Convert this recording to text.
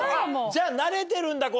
じゃ慣れてるんだ？